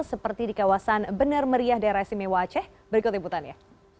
seperti di kawasan benar meriah daerah istimewa aceh berikut liputannya